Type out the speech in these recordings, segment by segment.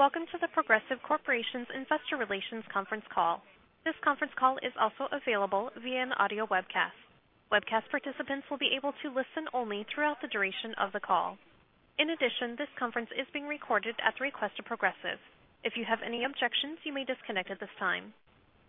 Welcome to The Progressive Corporation's Investor Relations conference call. This conference call is also available via an audio webcast. Webcast participants will be able to listen only throughout the duration of the call. In addition, this conference is being recorded at the request of Progressive. If you have any objections, you may disconnect at this time.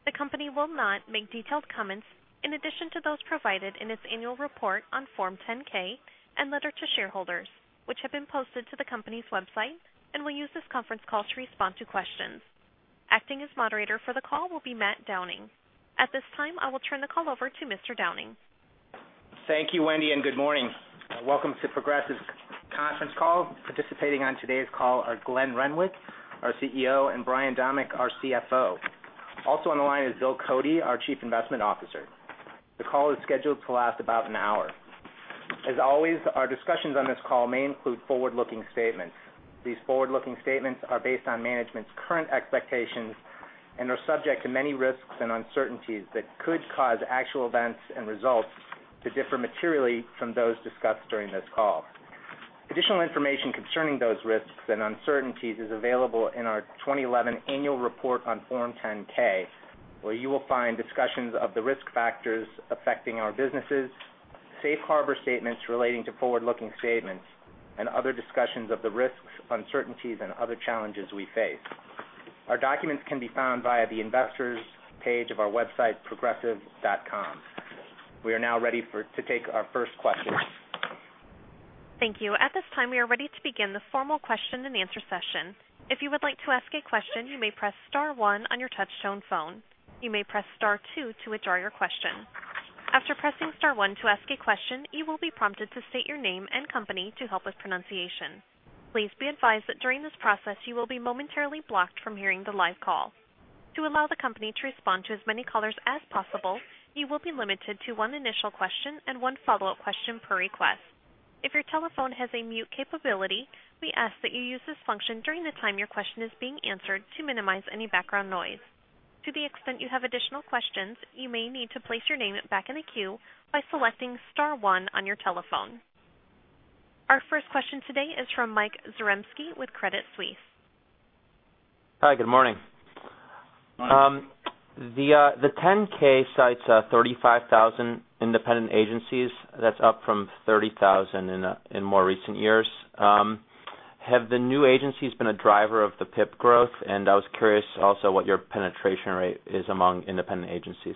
The company will not make detailed comments in addition to those provided in its annual report on Form 10-K and letter to shareholders, which have been posted to the company's website, and will use this conference call to respond to questions. Acting as moderator for the call will be Matt Downing. At this time, I will turn the call over to Mr. Downing. Thank you, Wendy, and good morning. Welcome to Progressive's conference call. Participating on today's call are Glenn Renwick, our CEO, and Brian Domeck, our CFO. Also on the line is Bill Cody, our chief investment officer. The call is scheduled to last about an hour. As always, our discussions on this call may include forward-looking statements. These forward-looking statements are based on management's current expectations and are subject to many risks and uncertainties that could cause actual events and results to differ materially from those discussed during this call. Additional information concerning those risks and uncertainties is available in our 2011 annual report on Form 10-K, where you will find discussions of the risk factors affecting our businesses, safe harbor statements relating to forward-looking statements, and other discussions of the risks, uncertainties, and other challenges we face. Our documents can be found via the investors page of our website, progressive.com. We are now ready to take our first question. Thank you. At this time, we are ready to begin the formal question and answer session. If you would like to ask a question, you may press star one on your touchtone phone. You may press star two to withdraw your question. After pressing star one to ask a question, you will be prompted to state your name and company to help with pronunciation. Please be advised that during this process, you will be momentarily blocked from hearing the live call. To allow the company to respond to as many callers as possible, you will be limited to one initial question and one follow-up question per request. If your telephone has a mute capability, we ask that you use this function during the time your question is being answered to minimize any background noise. To the extent you have additional questions, you may need to place your name back in the queue by selecting star one on your telephone. Our first question today is from Michael Zaremski with Credit Suisse. Hi, good morning. Morning. The 10-K cites 35,000 independent agencies. That's up from 30,000 in more recent years. Have the new agencies been a driver of the PIP growth? I was curious also what your penetration rate is among independent agencies.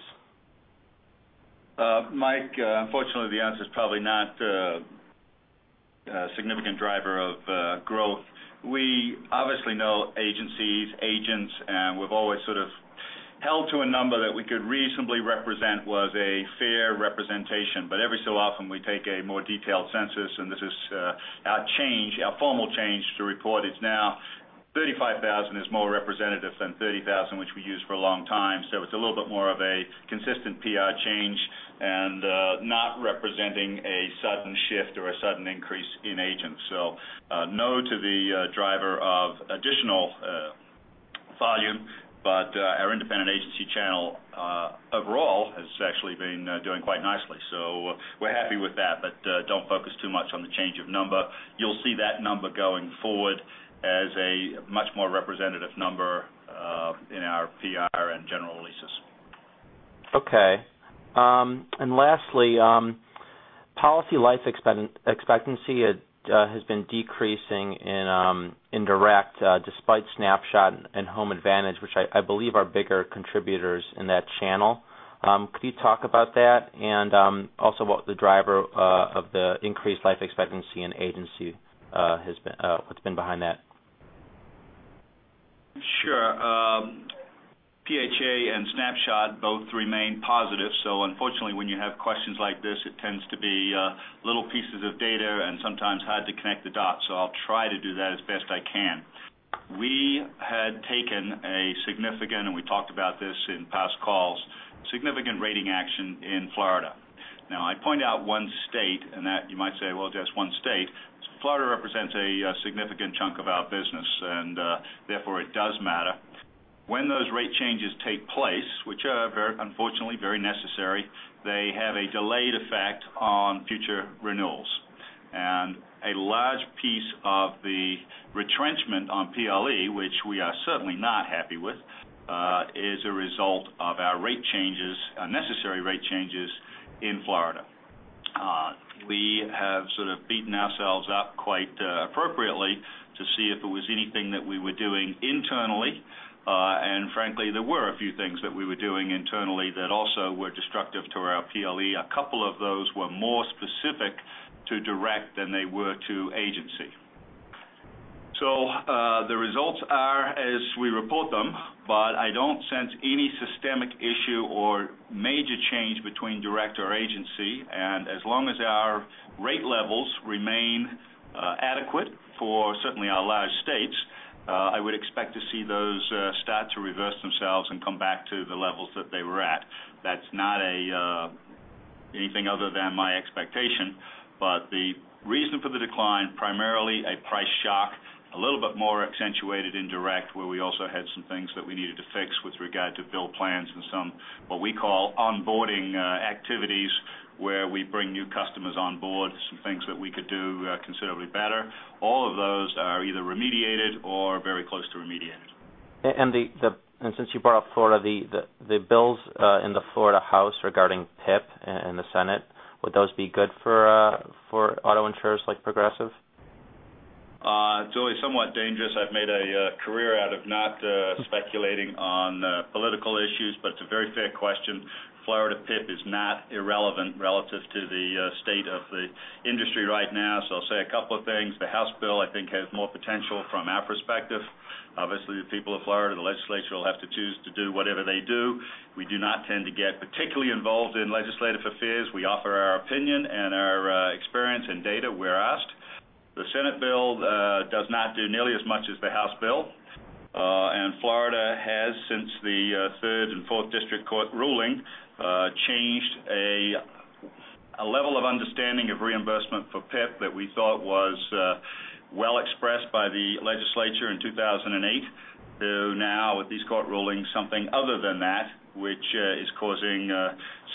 Mike, unfortunately, the answer is probably not a significant driver of growth. We obviously know agencies, agents, and we've always sort of held to a number that we could reasonably represent was a fair representation. Every so often, we take a more detailed census, and this is our formal change to report it now. 35,000 is more representative than 30,000, which we used for a long time. It's a little bit more of a consistent PR change and not representing a sudden shift or a sudden increase in agents. No to the driver of additional volume, our independent agency channel overall has actually been doing quite nicely. We're happy with that, don't focus too much on the change of number. You'll see that number going forward as a much more representative number in our PR and general releases. Okay. Lastly, policy life expectancy has been decreasing in direct despite Snapshot and Home Advantage, which I believe are bigger contributors in that channel. Could you talk about that and also what the driver of the increased life expectancy in agency, what's been behind that? Sure. PHA and Snapshot both remain positive. Unfortunately, when you have questions like this, it tends to be little pieces of data and sometimes hard to connect the dots. I'll try to do that as best I can. We had taken a significant, and we talked about this in past calls, significant rating action in Florida. I point out one state, that you might say, well, just one state. Florida represents a significant chunk of our business, therefore it does matter. When those rate changes take place, which are unfortunately very necessary, they have a delayed effect on future renewals. A large piece of the retrenchment on PLE, which we are certainly not happy with, is a result of our necessary rate changes in Florida. We have sort of beaten ourselves up quite appropriately to see if it was anything that we were doing internally. Frankly, there were a few things that we were doing internally that also were destructive to our PLE. A couple of those were more specific to direct than they were to agency. The results are as we report them, but I don't sense any systemic issue or major change between direct or agency. As long as our rate levels remain adequate for certainly our large states, I would expect to see those stats reverse themselves and come back to the levels that they were at. That's not anything other than my expectation, but the reason for the decline, primarily a price shock, a little bit more accentuated in direct, where we also had some things that we needed to fix with regard to bill plans and some what we call onboarding activities Where we bring new customers on board, some things that we could do considerably better. All of those are either remediated or very close to remediated. Since you brought up Florida, the bills in the Florida House regarding PIP in the Senate, would those be good for auto insurers like Progressive? It's always somewhat dangerous. I've made a career out of not speculating on political issues, it's a very fair question. Florida PIP is not irrelevant relative to the state of the industry right now. I'll say a couple of things. The House bill, I think, has more potential from our perspective. Obviously, the people of Florida, the legislature, will have to choose to do whatever they do. We do not tend to get particularly involved in legislative affairs. We offer our opinion and our experience and data where asked. The Senate bill does not do nearly as much as the House bill. Florida has, since the third and fourth district court ruling, changed a level of understanding of reimbursement for PIP that we thought was well expressed by the legislature in 2008 to now, with these court rulings, something other than that. Which is causing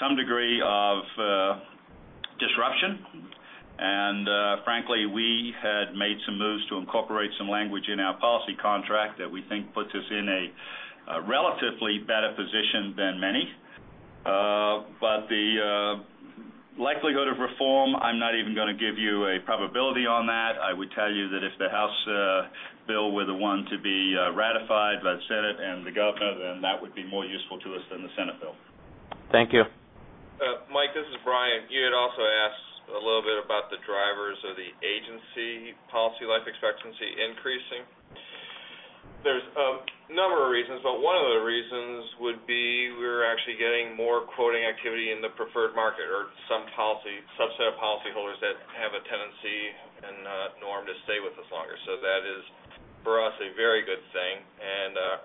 some degree of disruption. Frankly, we had made some moves to incorporate some language in our policy contract that we think puts us in a relatively better position than many. The likelihood of reform, I'm not even going to give you a probability on that. I would tell you that if the House bill were the one to be ratified by the Senate and the governor, that would be more useful to us than the Senate bill. Thank you. Mike, this is Brian. You had also asked a little bit about the drivers of the agency policy life expectancy increasing. There's a number of reasons, but one of the reasons would be we're actually getting more quoting activity in the preferred market or some subset of policyholders that have a tendency and a norm to stay with us longer. That is, for us, a very good thing.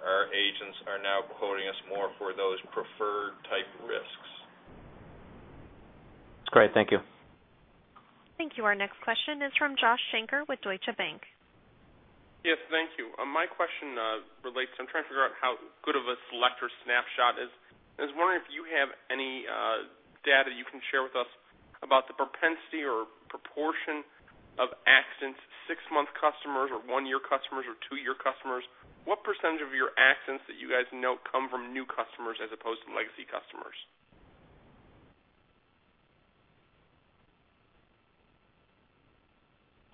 Our agents are now quoting us more for those preferred type risks. That's great. Thank you. Thank you. Our next question is from Joshua Shanker with Deutsche Bank. Yes. Thank you. My question relates. I am trying to figure out how good of a selector Snapshot is. I was wondering if you have any data you can share with us about the propensity or proportion of accidents, 6-month customers or 1-year customers or 2-year customers. What % of your accidents that you guys note come from new customers as opposed to legacy customers?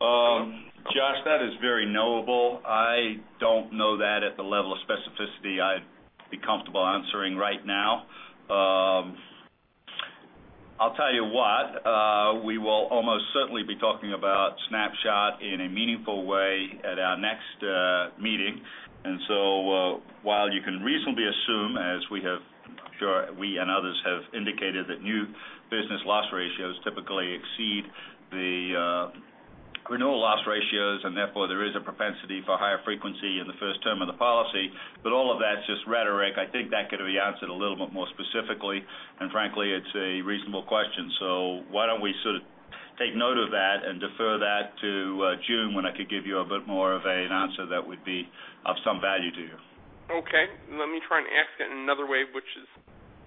Josh, that is very knowable. I don't know that at the level of specificity I'd be comfortable answering right now. I'll tell you what. We will almost certainly be talking about Snapshot in a meaningful way at our next meeting. While you can reasonably assume, as we and others have indicated, that new business loss ratios typically exceed the renewal loss ratios, and therefore, there is a propensity for higher frequency in the first term of the policy. All of that's just rhetoric. I think that could be answered a little bit more specifically, and frankly, it's a reasonable question. Why don't we sort of take note of that and defer that to June when I could give you a bit more of an answer that would be of some value to you. Okay. Let me try and ask it in another way, which is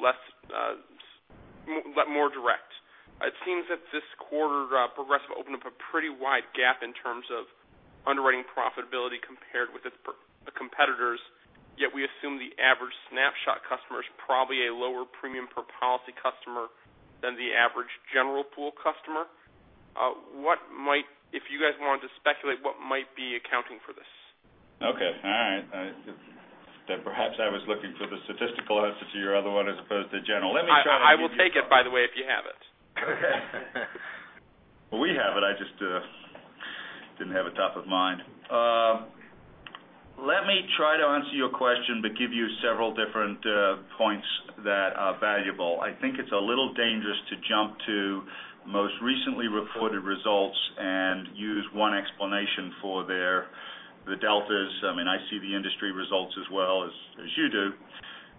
more direct. It seems that this quarter, Progressive opened up a pretty wide gap in terms of underwriting profitability compared with its competitors. We assume the average Snapshot customer is probably a lower premium per policy customer than the average general pool customer. If you guys wanted to speculate, what might be accounting for this? Okay. All right. Perhaps I was looking for the statistical answer to your other one as opposed to general. Let me try and give you. I will take it, by the way, if you have it. We have it. I just didn't have it top of mind. Let me try to answer your question, but give you several different points that are valuable. I think it's a little dangerous to jump to most recently reported results and use one explanation for the deltas. I see the industry results as well as you do.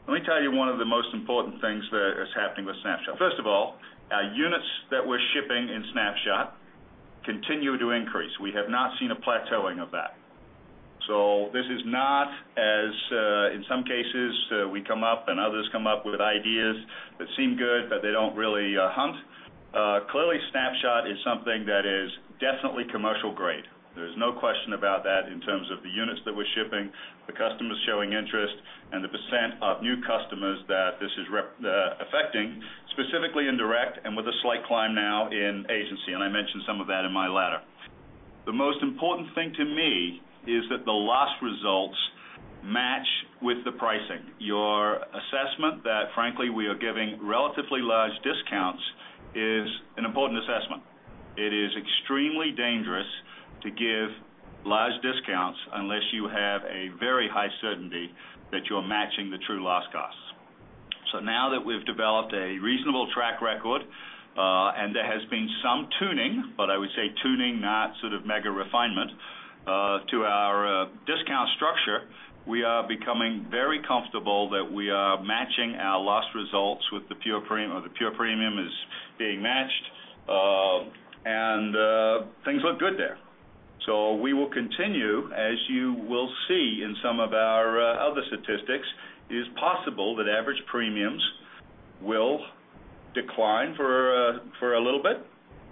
Let me tell you one of the most important things that is happening with Snapshot. First of all, our units that we're shipping in Snapshot continue to increase. We have not seen a plateauing of that. This is not as in some cases, we come up and others come up with ideas that seem good, but they don't really hunt. Clearly, Snapshot is something that is definitely commercial-grade. There's no question about that in terms of the units that we're shipping, the customers showing interest, and the percent of new customers that this is affecting, specifically in direct and with a slight climb now in agency. I mentioned some of that in my letter. The most important thing to me is that the loss results match with the pricing. Your assessment that, frankly, we are giving relatively large discounts is an important assessment. It is extremely dangerous to give large discounts unless you have a very high certainty that you're matching the true loss costs. Now that we've developed a reasonable track record, and there has been some tuning, but I would say tuning, not sort of mega refinement, to our discount structure, we are becoming very comfortable that we are matching our loss results with the pure premium, or the pure premium is being matched. Will continue, as you will see in some of our other statistics. It is possible that average premiums will decline for a little bit.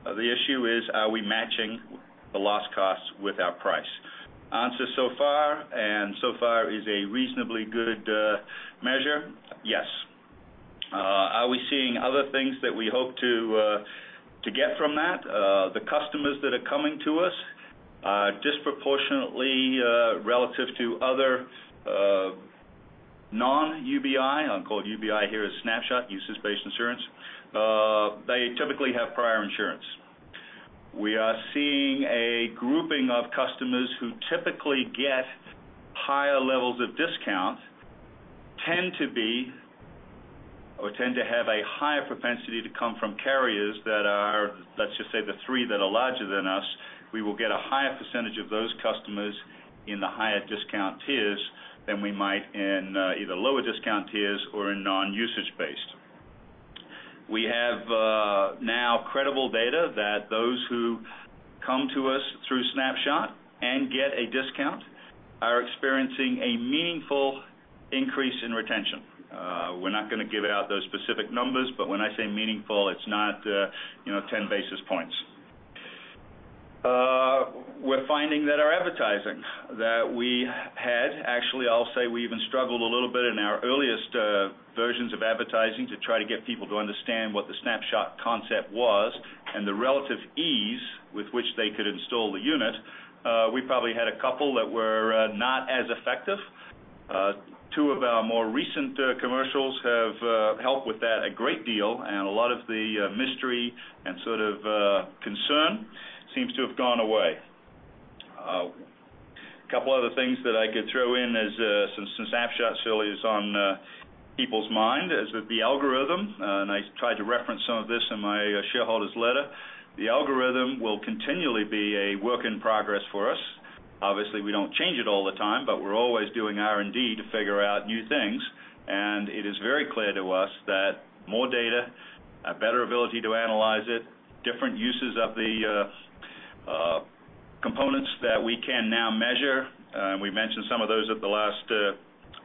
The issue is, are we matching the loss costs with our price? Answer so far, and so far is a reasonably good measure, yes. Are we seeing other things that we hope to get from that? The customers that are coming to us, disproportionately relative to other non-UBI, I'll call UBI here as Snapshot, usage-based insurance, they typically have prior insurance. We are seeing a grouping of customers who typically get higher levels of discount, tend to be or tend to have a higher propensity to come from carriers that are, let's just say, the three that are larger than us. We will get a higher percentage of those customers in the higher discount tiers than we might in either lower discount tiers or in non-usage based. We have now credible data that those who come to us through Snapshot and get a discount are experiencing a meaningful increase in retention. We're not going to give out those specific numbers, but when I say meaningful, it's not 10 basis points. We're finding that our advertising. Actually, I'll say we even struggled a little bit in our earliest versions of advertising to try to get people to understand what the Snapshot concept was and the relative ease with which they could install the unit. We probably had a couple that were not as effective. Two of our more recent commercials have helped with that a great deal, and a lot of the mystery and sort of concern seems to have gone away. A couple other things that I could throw in, since Snapshot certainly is on people's mind, is the algorithm. I tried to reference some of this in my shareholder's letter. The algorithm will continually be a work in progress for us. Obviously, we don't change it all the time, but we're always doing R&D to figure out new things. It is very clear to us that more data, a better ability to analyze it, different uses of the components that we can now measure, we mentioned some of those at the last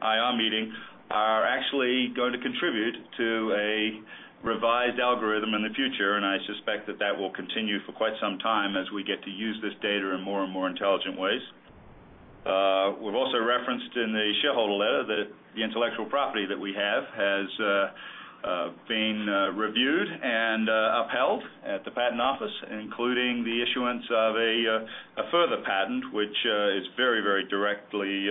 IR meeting, are actually going to contribute to a revised algorithm in the future. I suspect that that will continue for quite some time as we get to use this data in more and more intelligent ways. We've also referenced in the shareholder letter that the intellectual property that we have has been reviewed and upheld at the patent office, including the issuance of a further patent, which is very directly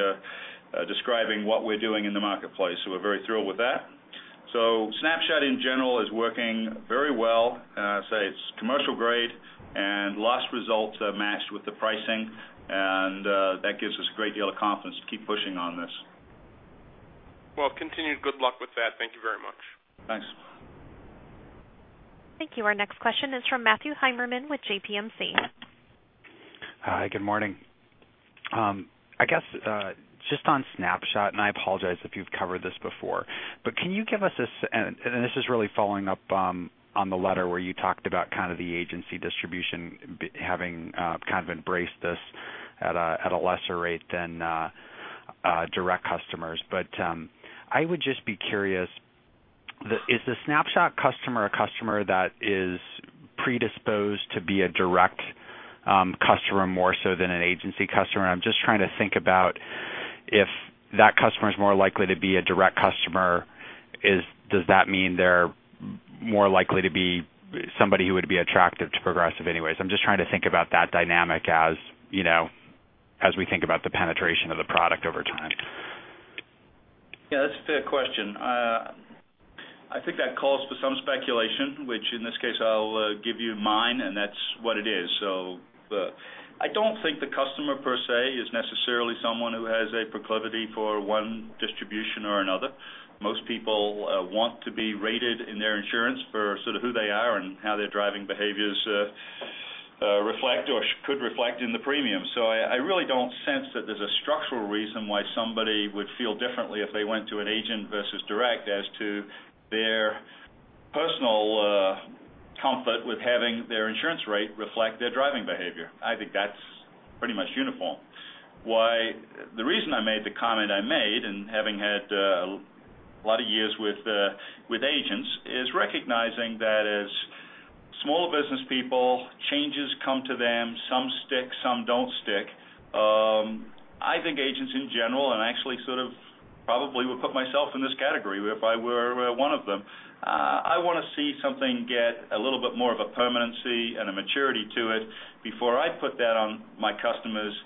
describing what we're doing in the marketplace. We're very thrilled with that. Snapshot in general is working very well. I say it's commercial grade, and loss results matched with the pricing, and that gives us a great deal of confidence to keep pushing on this. Well, continued good luck with that. Thank you very much. Thanks. Thank you. Our next question is from Matthew Heimermann with JPMorgan. Hi. Good morning. I guess, just on Snapshot, and I apologize if you've covered this before, but can you give us a, and this is really following up on the letter where you talked about kind of the agency distribution having kind of embraced this at a lesser rate than direct customers. I would just be curious, is the Snapshot customer a customer that is predisposed to be a direct customer more so than an agency customer? I'm just trying to think about if that customer is more likely to be a direct customer, does that mean they're more likely to be somebody who would be attractive to Progressive anyway? I'm just trying to think about that dynamic as we think about the penetration of the product over time. Yeah, that's a fair question. I think that calls for some speculation, which in this case, I'll give you mine, and that's what it is. I don't think the customer per se is necessarily someone who has a proclivity for one distribution or another. Most people want to be rated in their insurance for sort of who they are and how their driving behaviors reflect or could reflect in the premium. I really don't sense that there's a structural reason why somebody would feel differently if they went to an agent versus direct as to their personal comfort with having their insurance rate reflect their driving behavior. I think that's pretty much uniform. The reason I made the comment I made, and having had a lot of years with agents, is recognizing that as small business people, changes come to them, some stick, some don't stick. I think agents in general, I actually sort of probably would put myself in this category if I were one of them. I want to see something get a little bit more of a permanency and a maturity to it before I put that on my customers,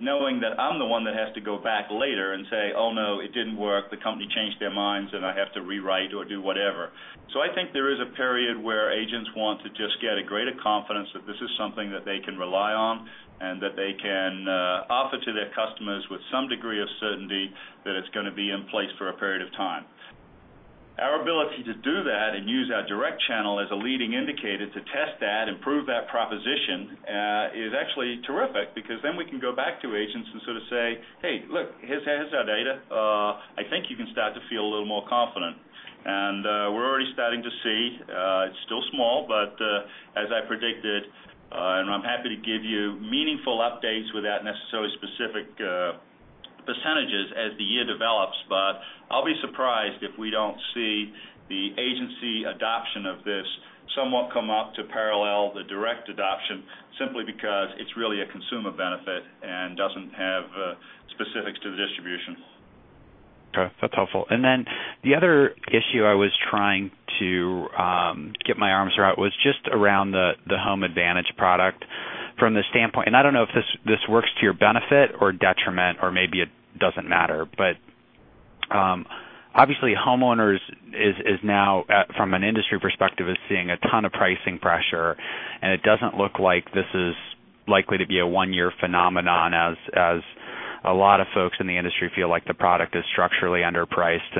knowing that I'm the one that has to go back later and say, "Oh, no, it didn't work. The company changed their minds, and I have to rewrite or do whatever." I think there is a period where agents want to just get a greater confidence that this is something that they can rely on, and that they can offer to their customers with some degree of certainty that it's going to be in place for a period of time. Our ability to do that and use our direct channel as a leading indicator to test that and prove that proposition is actually terrific because then we can go back to agents and sort of say, "Hey, look, here's our data. I think you can start to feel a little more confident." We're already starting to see Small, as I predicted, I'm happy to give you meaningful updates without necessarily specific % as the year develops. I'll be surprised if we don't see the agency adoption of this somewhat come up to parallel the direct adoption, simply because it's really a consumer benefit and doesn't have specifics to the distribution. Okay, that's helpful. Then the other issue I was trying to get my arms around was just around the Home Advantage product from the standpoint. I don't know if this works to your benefit or detriment or maybe it doesn't matter, obviously homeowners, from an industry perspective, is seeing a ton of pricing pressure, it doesn't look like this is likely to be a one-year phenomenon as a lot of folks in the industry feel like the product is structurally underpriced,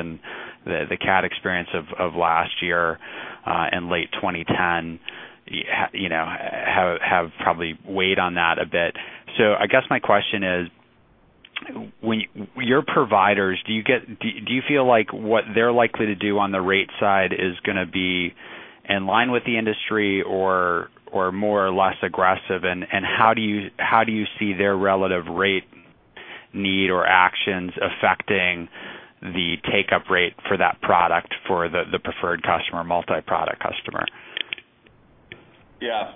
the cat experience of last year, in late 2010, have probably weighed on that a bit. I guess my question is, your providers, do you feel like what they're likely to do on the rate side is going to be in line with the industry or more or less aggressive? How do you see their relative rate need or actions affecting the take-up rate for that product for the preferred customer, multi-product customer? Yeah.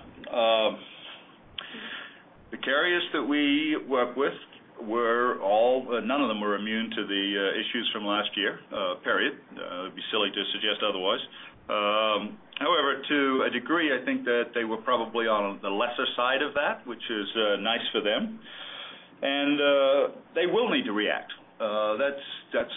The carriers that we work with, none of them were immune to the issues from last year, period. It'd be silly to suggest otherwise. However, to a degree, I think that they were probably on the lesser side of that, which is nice for them. They will need to react. That's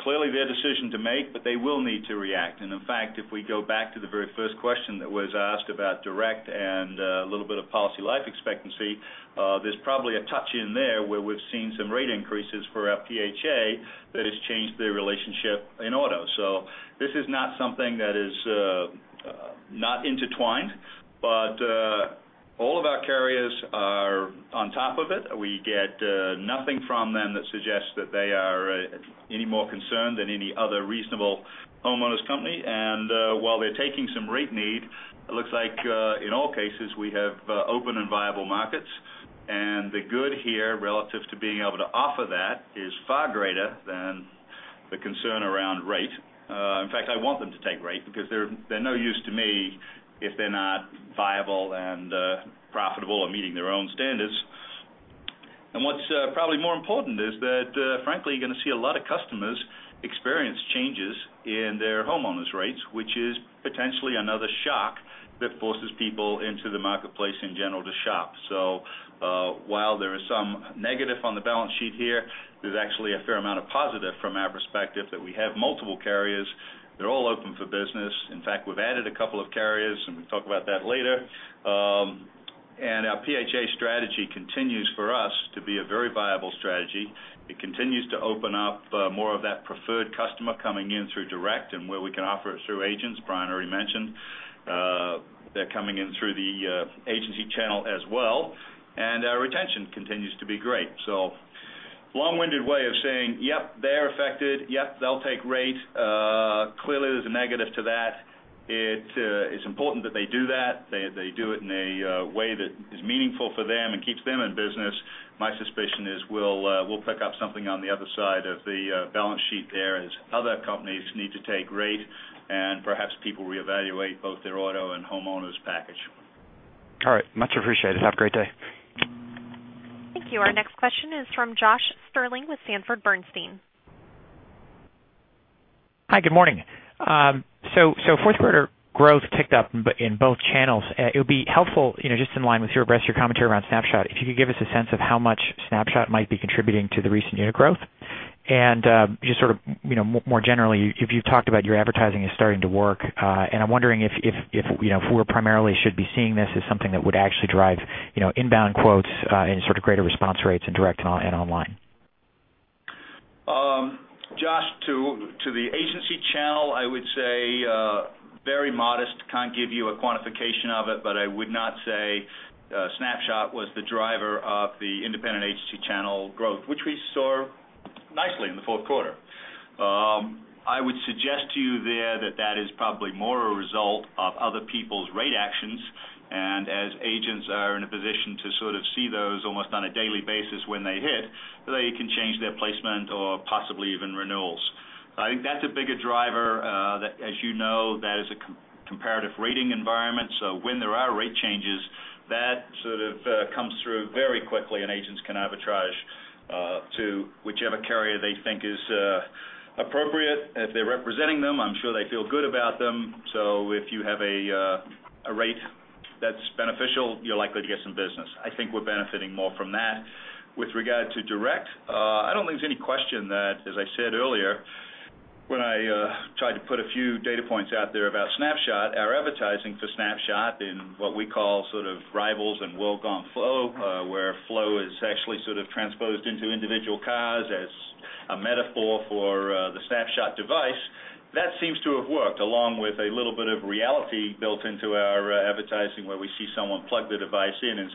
clearly their decision to make, but they will need to react. In fact, if we go back to the very first question that was asked about direct and a little bit of policy life expectancy, there's probably a touch in there where we've seen some rate increases for PHA that has changed their relationship in auto. This is not something that is not intertwined, but all of our carriers are on top of it. We get nothing from them that suggests that they are any more concerned than any other reasonable homeowners' company. While they're taking some rate need, it looks like, in all cases, we have open and viable markets. The good here relative to being able to offer that is far greater than the concern around rate. In fact, I want them to take rate because they're no use to me if they're not viable and profitable and meeting their own standards. What's probably more important is that, frankly, you're going to see a lot of customers experience changes in their homeowners' rates, which is potentially another shock that forces people into the marketplace in general to shop. While there is some negative on the balance sheet here, there's actually a fair amount of positive from our perspective that we have multiple carriers. They're all open for business. In fact, we've added a couple of carriers, and we'll talk about that later. Our PHA strategy continues for us to be a very viable strategy. It continues to open up more of that preferred customer coming in through direct and where we can offer it through agents. Brian already mentioned, they're coming in through the agency channel as well, and our retention continues to be great. Long-winded way of saying, yep, they're affected. Yep, they'll take rate. Clearly, there's a negative to that. It's important that they do that. They do it in a way that is meaningful for them and keeps them in business. My suspicion is we'll pick up something on the other side of the balance sheet there as other companies need to take rate, and perhaps people reevaluate both their auto and homeowners package. All right. Much appreciated. Have a great day. Thank you. Our next question is from Josh Strling with Sanford Bernstein. Hi, good morning. Fourth quarter growth ticked up in both channels. It would be helpful, just in line with your commentary around Snapshot, if you could give us a sense of how much Snapshot might be contributing to the recent unit growth. Just sort of more generally, you've talked about your advertising is starting to work. I'm wondering if we primarily should be seeing this as something that would actually drive inbound quotes and sort of greater response rates in direct and online. Josh, to the agency channel, I would say very modest. Can't give you a quantification of it, but I would not say Snapshot was the driver of the independent agency channel growth, which we saw nicely in the fourth quarter. I would suggest to you there that that is probably more a result of other people's rate actions. As agents are in a position to sort of see those almost on a daily basis when they hit, they can change their placement or possibly even renewals. I think that's a bigger driver. As you know, that is a comparative rating environment. When there are rate changes, that sort of comes through very quickly, and agents can arbitrage to whichever carrier they think is appropriate. If they're representing them, I'm sure they feel good about them. If you have a rate that's beneficial, you're likely to get some business. I think we're benefiting more from that. With regard to direct, I don't think there's any question that, as I said earlier, when I tried to put a few data points out there about Snapshot, our advertising for Snapshot in what we call sort of rivals and well-known Flo, where Flo is actually sort of transposed into individual cars as a metaphor for the Snapshot device. That seems to have worked, along with a little bit of reality built into our advertising, where we see someone plug the device in. It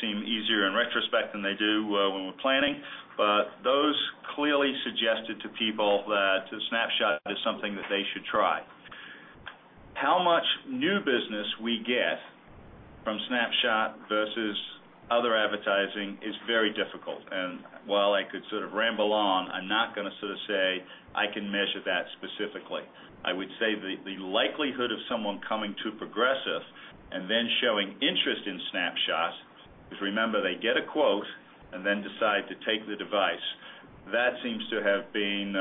seemed easier in retrospect than they do when we're planning. Those clearly suggested to people that Snapshot is something that they should try. How much new business we get from Snapshot versus other advertising is very difficult. While I could sort of ramble on, I'm not going to say I can measure that specifically. I would say the likelihood of someone coming to Progressive and then showing interest in Snapshot, because remember, they get a quote and then decide to take the device. That seems to have been,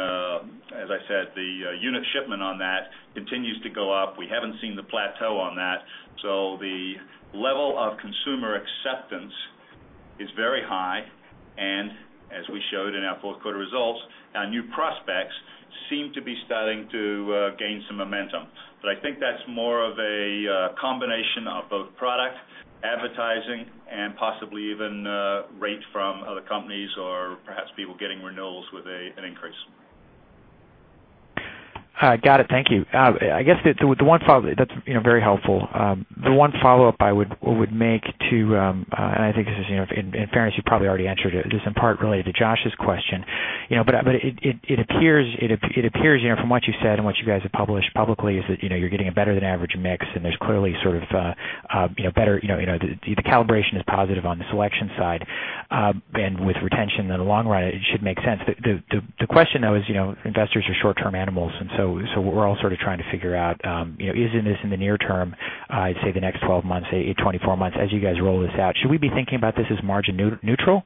as I said, the unit shipment on that continues to go up. We haven't seen the plateau on that. The level of consumer acceptance is very high, and as we showed in our fourth quarter results, our new prospects seem to be starting to gain some momentum. I think that's more of a combination of both product advertising and possibly even rate from other companies or perhaps people getting renewals with an increase. Got it. Thank you. That's very helpful. The one follow-up I would make to, and I think this is in fairness, you probably already answered it, is in part related to Josh's question. It appears from what you said and what you guys have published publicly is that you're getting a better than average mix, and there's clearly the calibration is positive on the selection side. With retention in the long run, it should make sense. The question, though, is investors are short-term animals. We're all sort of trying to figure out, is this in the near term, I'd say the next 12 months, say, 24 months, as you guys roll this out. Should we be thinking about this as margin neutral,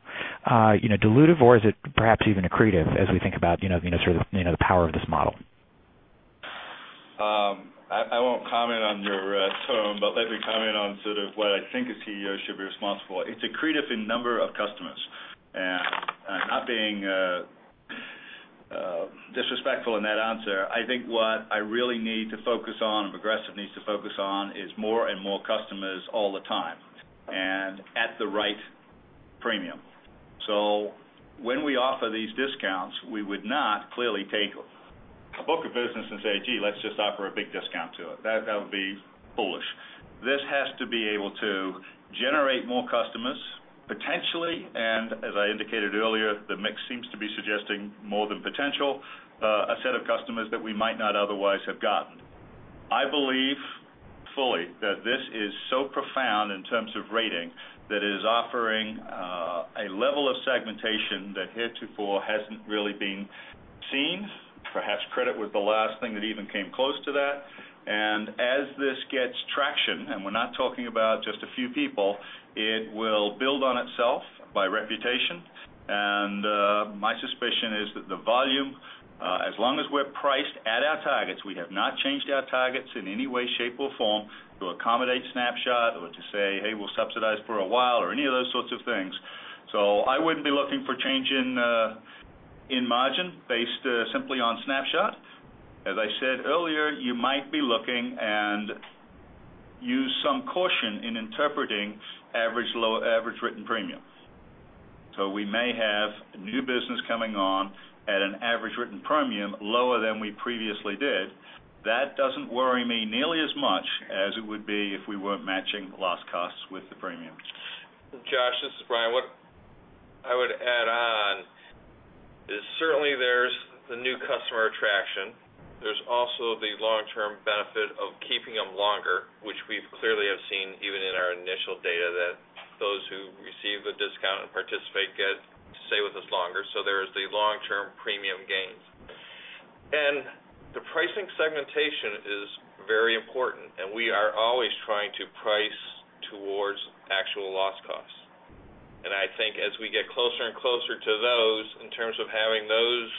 dilutive, or is it perhaps even accretive as we think about the power of this model? I won't comment on your tone. Let me comment on sort of what I think a CEO should be responsible. It's accretive in the number of customers. Not being disrespectful in that answer, I think what I really need to focus on, and Progressive needs to focus on, is more and more customers all the time, and at the right premium. When we offer these discounts, we would not clearly take a book of business and say, "Gee, let's just offer a big discount to it." That would be foolish. This has to be able to generate more customers, potentially, and as I indicated earlier, the mix seems to be suggesting more than potential, a set of customers that we might not otherwise have gotten. I believe fully that this is so profound in terms of rating that is offering a level of segmentation that heretofore hasn't really been seen. Perhaps credit was the last thing that even came close to that. As this gets traction, and we're not talking about just a few people, it will build on itself by reputation. My suspicion is that the volume, as long as we're priced at our targets, we have not changed our targets in any way, shape, or form to accommodate Snapshot or to say, hey, we'll subsidize for a while or any of those sorts of things. I wouldn't be looking for change in margin based simply on Snapshot. As I said earlier, you might be looking and use some caution in interpreting average written premium. We may have new business coming on at an average written premium lower than we previously did. That doesn't worry me nearly as much as it would be if we weren't matching loss costs with the premium. Josh, this is Brian. What I would add on is certainly there's the new customer attraction. There's also the long-term benefit of keeping them longer, which we've clearly have seen even in our initial data that those who receive a discount and participate stay with us longer. There is the long-term premium gains. The pricing segmentation is very important, and we are always trying to price towards actual loss costs. I think as we get closer and closer to those in terms of having those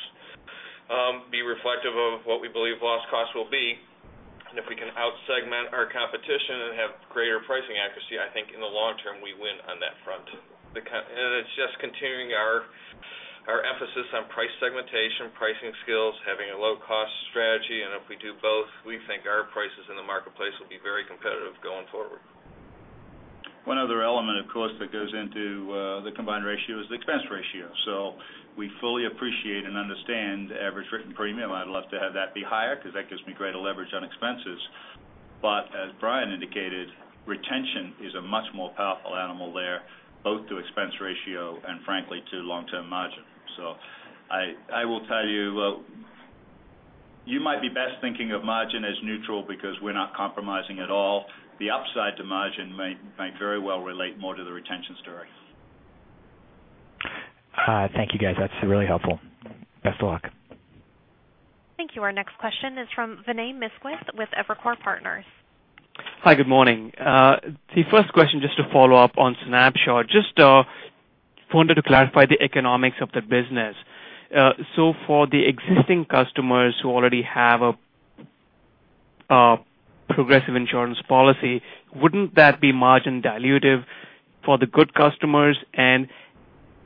be reflective of what we believe loss costs will be, and if we can out-segment our competition and have greater pricing accuracy, I think in the long term, we win on that front. It's just continuing our emphasis on price segmentation, pricing skills, having a low-cost strategy. If we do both, we think our prices in the marketplace will be very competitive going forward. One other element, of course, that goes into the combined ratio is the expense ratio. We fully appreciate and understand average written premium. I'd love to have that be higher because that gives me greater leverage on expenses. As Brian indicated, retention is a much more powerful animal there, both to expense ratio and frankly, to long-term margin. I will tell you might be best thinking of margin as neutral because we're not compromising at all. The upside to margin might very well relate more to the retention story. Thank you, guys. That's really helpful. Best of luck. Thank you. Our next question is from Vinay Misquith with Evercore Partners. Hi, good morning. The first question, just to follow up on Snapshot. Just wanted to clarify the economics of the business. For the existing customers who already have a Progressive insurance policy, wouldn't that be margin dilutive for the good customers?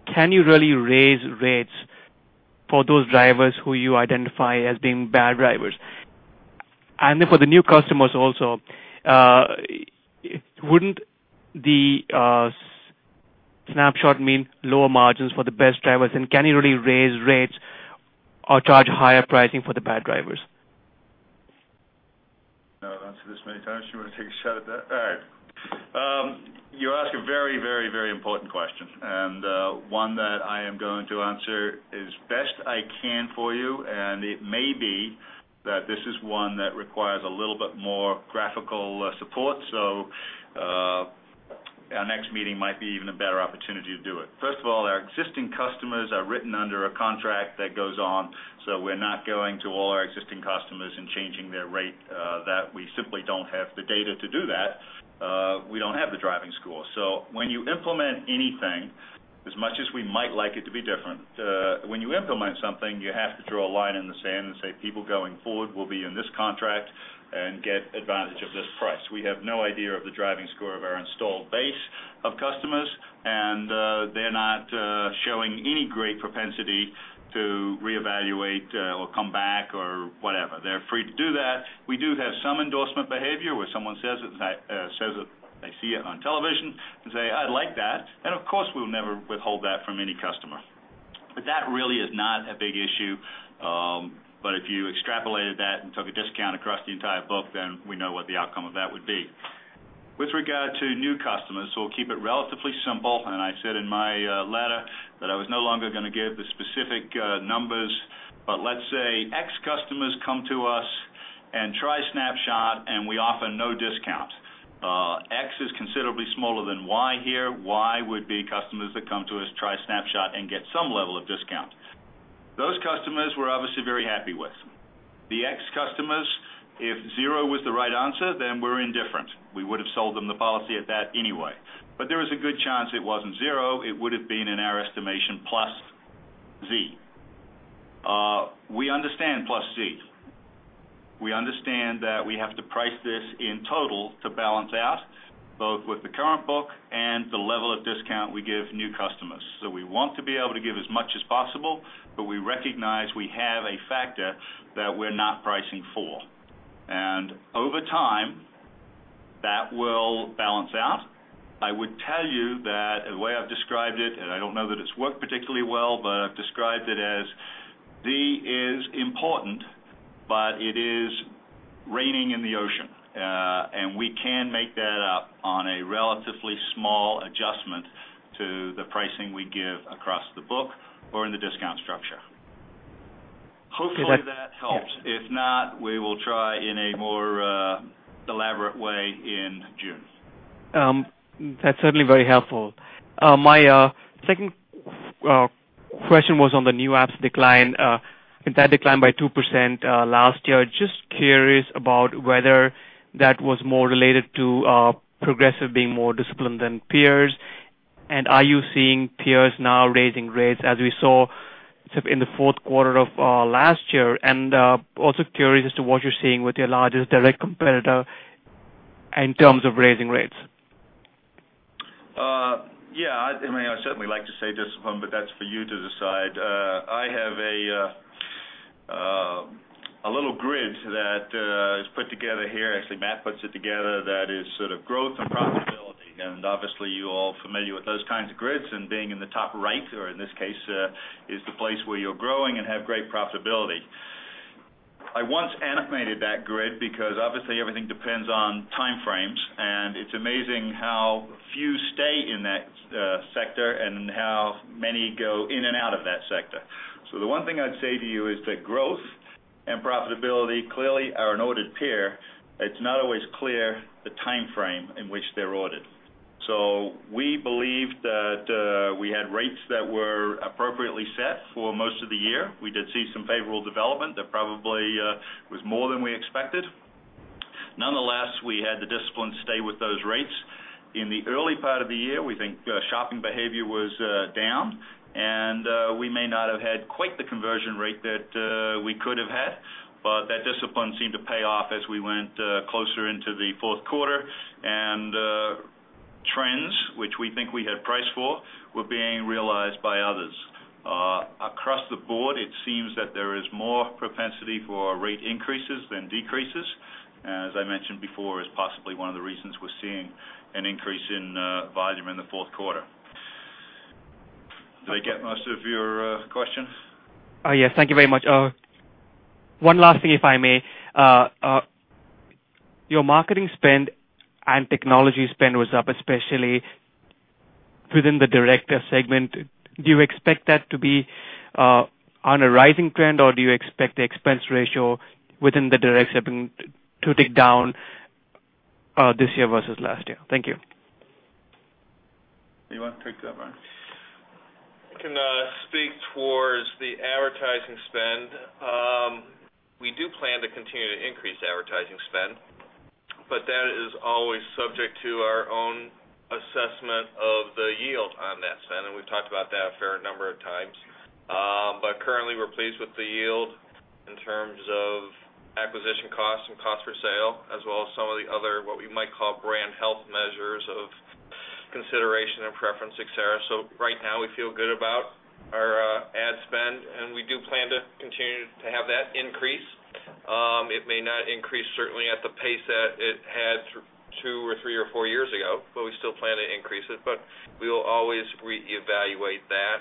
Can you really raise rates for those drivers who you identify as being bad drivers? For the new customers also, wouldn't the Snapshot mean lower margins for the best drivers, and can you really raise rates or charge higher pricing for the bad drivers? Answered this many times. You want to take a shot at that? All right. You ask a very important question, and one that I am going to answer as best I can for you, and it may be that this is one that requires a little bit more graphical support. Our next meeting might be even a better opportunity to do it. First of all, our existing customers are written under a contract that goes on, so we're not going to all our existing customers and changing their rate. That, we simply don't have the data to do that. We don't have the driving score. When you implement anything, as much as we might like it to be different, when you implement something, you have to draw a line in the sand and say, "People going forward will be in this contract and get advantage of this price." We have no idea of the driving score of our installed base of customers, and they're not showing any great propensity to reevaluate or come back or whatever. They're free to do that. We do have some endorsement behavior where someone says that they see it on television and say, "I'd like that." Of course, we'll never withhold that from any customer. That really is not a big issue. If you extrapolated that and took a discount across the entire book, then we know what the outcome of that would be. With regard to new customers, we'll keep it relatively simple, I said in my letter that I was no longer going to give the specific numbers. Let's say X customers come to us and try Snapshot, and we offer no discount. X is considerably smaller than Y here. Y would be customers that come to us, try Snapshot, and get some level of discount. Those customers we're obviously very happy with. The X customers, if zero was the right answer, then we're indifferent. We would've sold them the policy at that anyway. There is a good chance it wasn't zero. It would've been, in our estimation, plus Z. We understand plus Z. We understand that we have to price this in total to balance out, both with the current book and the level of discount we give new customers. We want to be able to give as much as possible, we recognize we have a factor that we're not pricing for. Over time, that will balance out. I would tell you that the way I've described it, I don't know that it's worked particularly well, I've described it as, "Z is important, it is raining in the ocean." We can make that up on a relatively small adjustment to the pricing we give across the book or in the discount structure. Hopefully that helps. If not, we will try in a more elaborate way in June. That's certainly very helpful. My second question was on the new apps decline. That declined by 2% last year. Just curious about whether that was more related to Progressive being more disciplined than peers, are you seeing peers now raising rates, as we saw in the fourth quarter of last year? Also curious as to what you're seeing with your largest direct competitor in terms of raising rates. Yeah. I'd certainly like to say discipline, but that's for you to decide. I have a little grid that is put together here, actually, Matt puts it together, that is sort of growth and profitability, and obviously you all are familiar with those kinds of grids, and being in the top right, or in this case, is the place where you're growing and have great profitability. I once animated that grid because obviously everything depends on time frames, and it's amazing how few stay in that sector and how many go in and out of that sector. The one thing I'd say to you is that growth and profitability clearly are an ordered pair. It's not always clear the time frame in which they're ordered. We believed that we had rates that were appropriately set for most of the year. We did see some favorable development that probably was more than we expected. Nonetheless, we had the discipline to stay with those rates. In the early part of the year, we think shopping behavior was down, and we may not have had quite the conversion rate that we could have had. That discipline seemed to pay off as we went closer into the fourth quarter, and trends which we think we had priced for were being realized by others. Across the board, it seems that there is more propensity for rate increases than decreases. As I mentioned before, it's possibly one of the reasons we're seeing an increase in volume in the fourth quarter. Did I get most of your question? Yes. Thank you very much. One last thing, if I may. Your marketing spend and technology spend was up, especially within the direct segment. Do you expect that to be on a rising trend, or do you expect the expense ratio within the direct segment to tick down this year versus last year? Thank you. Do you want to take that, Mark? I can speak towards the advertising spend. We do plan to continue to increase advertising spend, that is always subject to our own assessment of the yield on that spend, and we've talked about that a fair number of times. Currently, we're pleased with the yield in terms of acquisition costs and cost for sale, as well as some of the other, what we might call brand health measures of consideration and preference, et cetera. Right now, we feel good about our ad spend, and we do plan to continue to have that increase. It may not increase certainly at the pace that it has. We will always reevaluate that.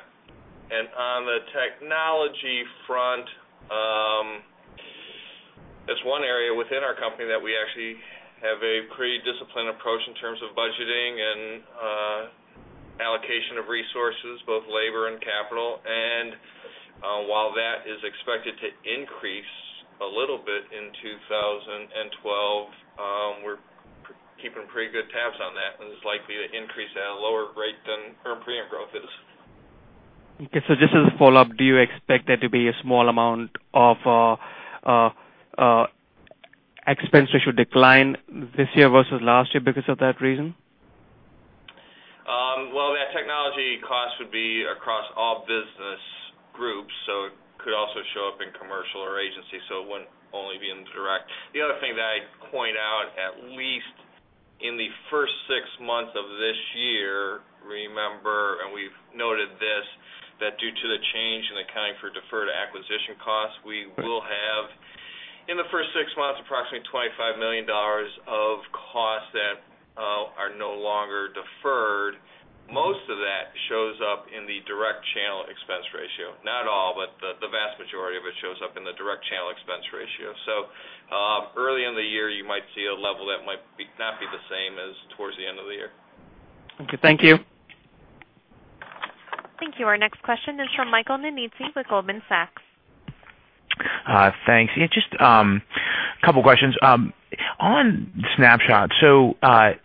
On the technology front, that's one area within our company that we actually have a pretty disciplined approach in terms of budgeting and allocation of resources, both labor and capital. While that is expected to increase a little bit in 2012, we're keeping pretty good tabs on that, and it's likely to increase at a lower rate than our premium growth is. Just as a follow-up, do you expect there to be a small amount of expense ratio decline this year versus last year because of that reason? That technology cost would be across all business groups, so it could also show up in commercial or agency. It wouldn't only be in direct. The other thing that I'd point out, at least in the first six months of this year, remember, and we've noted this, that due to the change in accounting for deferred acquisition costs, we will have, in the first six months, approximately $25 million of costs that are no longer deferred. Most of that shows up in the direct channel expense ratio. Not all, but the vast majority of it shows up in the direct channel expense ratio. Early in the year, you might see a level that might not be the same as towards the end of the year. Okay. Thank you. Thank you. Our next question is from Michael Nici with Goldman Sachs. Thanks. Yeah, just a couple of questions. On Snapshot,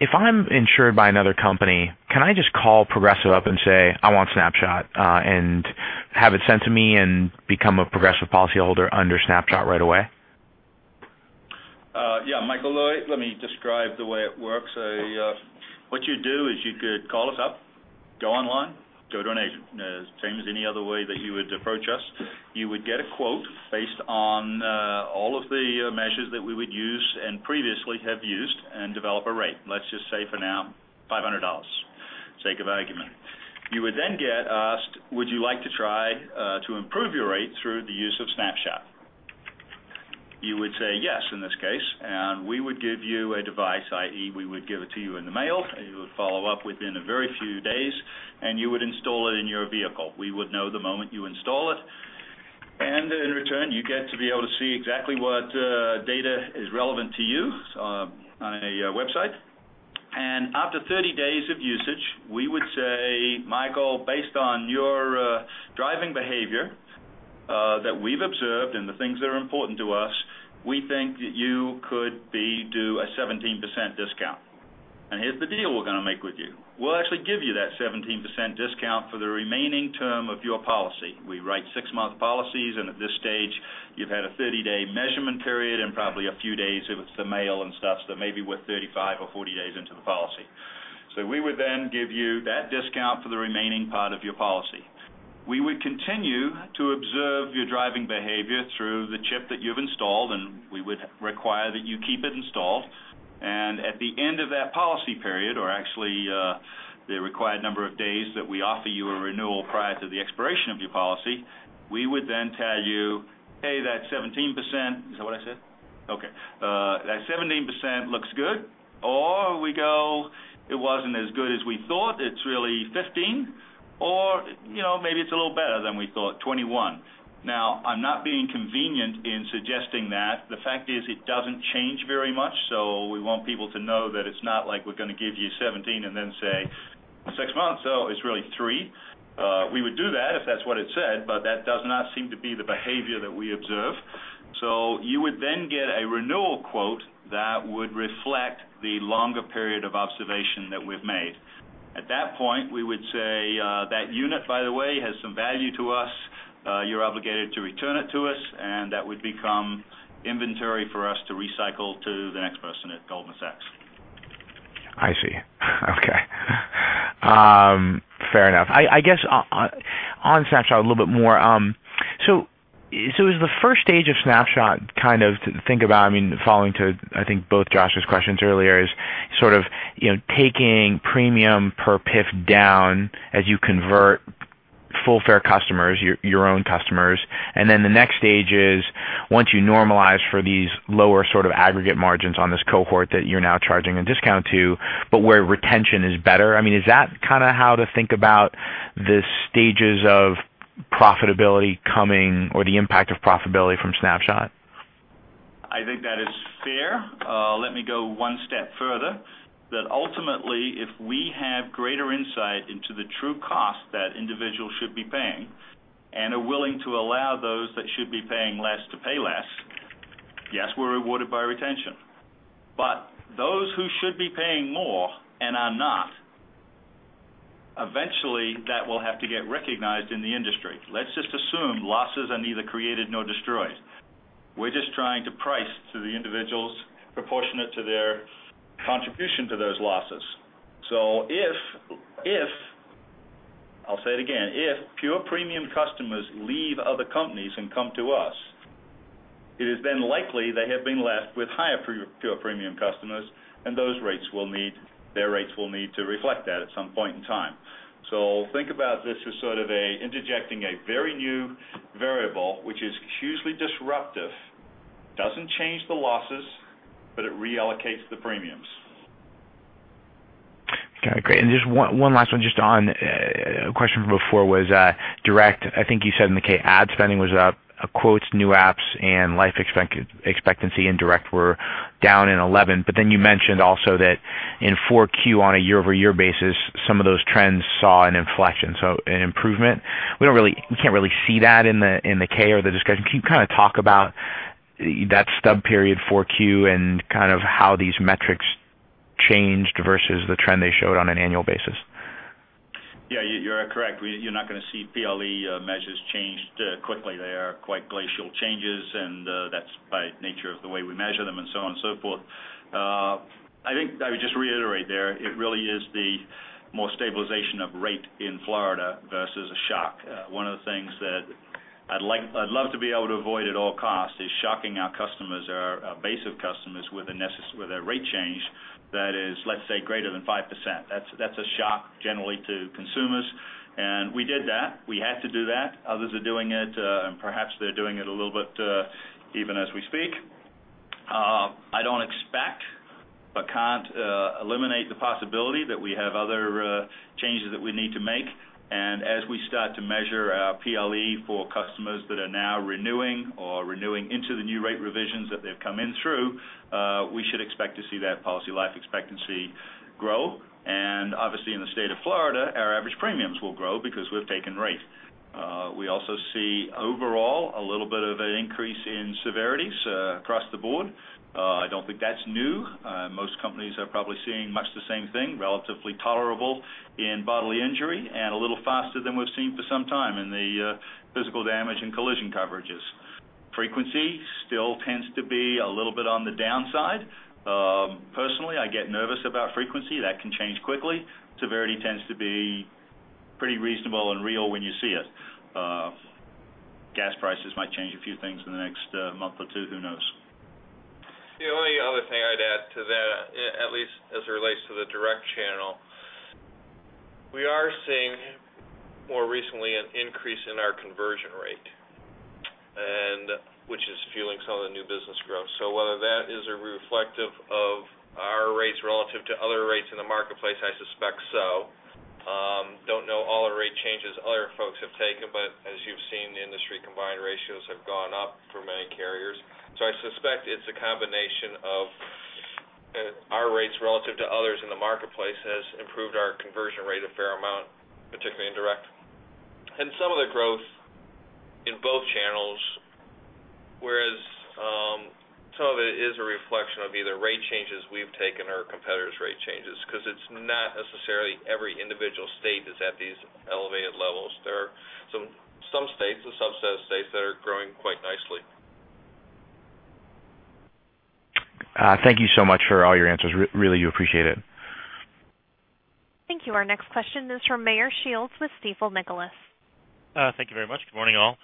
if I'm insured by another company, can I just call Progressive up and say, "I want Snapshot," and have it sent to me and become a Progressive policyholder under Snapshot right away? Yeah, Michael, let me describe the way it works. What you do is you could call us up, go online, go to an agent, same as any other way that you would approach us. You would get a quote based on all of the measures that we would use, and previously have used, and develop a rate. Let's just say for now, $500, sake of argument. You would then get asked, would you like to try to improve your rate through the use of Snapshot? You would say yes, in this case, and we would give you a device, i.e., we would give it to you in the mail. We would follow up within a very few days, and you would install it in your vehicle. We would know the moment you install it. In return, you get to be able to see exactly what data is relevant to you on a website. After 30 days of usage, we would say, Michael, based on your driving behavior that we've observed, and the things that are important to us, we think that you could be due a 17% discount. Here's the deal we're going to make with you. We'll actually give you that 17% discount for the remaining term of your policy. We write six-month policies, at this stage, you've had a 30-day measurement period, probably a few days with the mail and stuff, so maybe we're 35 or 40 days into the policy. We would then give you that discount for the remaining part of your policy. We would continue to observe your driving behavior through the chip that you've installed, we would require that you keep it installed. At the end of that policy period, or actually, the required number of days that we offer you a renewal prior to the expiration of your policy, we would then tell you, hey, that 17%? Is that what I said? Okay. That 17% looks good. We go, it wasn't as good as we thought. It's really 15%. Maybe it's a little better than we thought, 21%. I'm not being convenient in suggesting that. The fact is it doesn't change very much. We want people to know that it's not like we're going to give you 17% and then say, six months, so it's really 3%. We would do that if that's what it said, that does not seem to be the behavior that we observe. You would then get a renewal quote that would reflect the longer period of observation that we've made. At that point, we would say, that unit, by the way, has some value to us. You're obligated to return it to us, and that would become inventory for us to recycle to the next person at Goldman Sachs. I see. Okay. Fair enough. I guess on Snapshot, a little bit more. Is the first stage of Snapshot kind of to think about, following to, I think, both Josh's questions earlier, is sort of taking premium per PIF down as you convert full fare customers, your own customers. Then the next stage is once you normalize for these lower sort of aggregate margins on this cohort that you're now charging a discount to, but where retention is better. Is that kind of how to think about the stages of profitability coming or the impact of profitability from Snapshot? I think that is fair. Let me go one step further. That ultimately, if we have greater insight into the true cost that individuals should be paying, and are willing to allow those that should be paying less to pay less, yes, we're rewarded by retention. Those who should be paying more and are not, eventually that will have to get recognized in the industry. Let's just assume losses are neither created nor destroyed. We're just trying to price to the individuals proportionate to their contribution to those losses. If, I'll say it again, if pure premium customers leave other companies and come to us, it is then likely they have been left with higher pure premium customers, and their rates will need to reflect that at some point in time. Think about this as sort of interjecting a very new variable, which is hugely disruptive, doesn't change the losses, but it reallocates the premiums. Okay, great. Just one last one, just on a question from before was direct. I think you said in the K ad spending was up, quotes, new apps, and life expectancy in direct were down in 2011. You mentioned also that in four Q on a year-over-year basis, some of those trends saw an inflection, so an improvement. We can't really see that in the K or the discussion. Can you talk about that stub period four Q and how these metrics changed versus the trend they showed on an annual basis? Yeah, you are correct. You're not going to see PLE measures changed quickly. They are quite glacial changes, and that's by nature of the way we measure them, and so on and so forth. I think I would just reiterate there, it really is the most stabilization of rate in Florida versus a shock. One of the things that I'd love to be able to avoid at all costs is shocking our customers, our base of customers, with a rate change that is, let's say, greater than 5%. That's a shock generally to consumers. We did that. We had to do that. Perhaps they're doing it a little bit even as we speak. I don't expect, but can't eliminate the possibility that we have other changes that we need to make. As we start to measure our PLE for customers that are now renewing or renewing into the new rate revisions that they've come in through, we should expect to see that policy life expectancy grow. Obviously, in the state of Florida, our average premiums will grow because we've taken rate. We also see overall a little bit of an increase in severities across the board. I don't think that's new. Most companies are probably seeing much the same thing, relatively tolerable in bodily injury, and a little faster than we've seen for some time in the physical damage and collision coverages. Frequency still tends to be a little bit on the downside. Personally, I get nervous about frequency. That can change quickly. Severity tends to be pretty reasonable and real when you see it. Gas prices might change a few things in the next month or two, who knows? The only other thing I'd add to that, at least as it relates to the direct channel, we are seeing more recently an increase in our conversion rate, which is fueling some of the new business growth. Whether that is reflective of our rates relative to other rates in the marketplace, I suspect so. Don't know all the rate changes other folks have taken, but as you've seen, the industry combined ratios have gone up for many carriers. I suspect it's a combination of our rates relative to others in the marketplace has improved our conversion rate a fair amount, particularly in direct. Some of the growth in both channels, whereas some of it is a reflection of either rate changes we've taken or competitors' rate changes, because it's not necessarily every individual state is at these elevated levels. There are some states, a subset of states, that are growing quite nicely. Thank you so much for all your answers. Really do appreciate it. Thank you. Our next question is from Meyer Shields with Stifel Nicolaus. Thank you very much. Good morning, all.